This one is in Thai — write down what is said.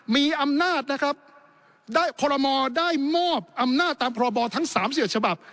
มีอำนาจนะครับได้คอลโมได้มอบอำนาจตามพรบทั้ง๓๑ฉบับ